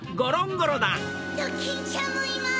・ドキンちゃんもいます！